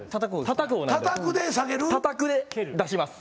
たたくで出します。